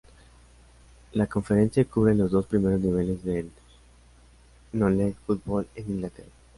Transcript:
La Conference cubre los dos primeros niveles del Non-League football en Inglaterra.